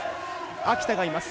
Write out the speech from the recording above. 秋田がいます。